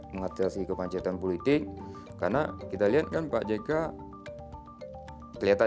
mengatasi kemacetan politik karena kita lihat pak jk